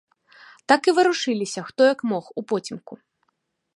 Так і варушыліся, хто як мог, упоцемку.